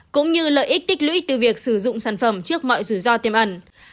cũng như lợi ích tích lũy từ việc sử dụng sản phẩm trước mọi rủi ro tiềm ẩn